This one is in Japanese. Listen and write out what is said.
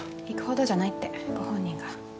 行くほどじゃないってご本人が。